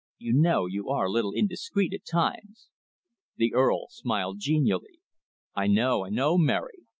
You know, you are a little indiscreet at times." The Earl smiled genially. "I know, I know, Mary.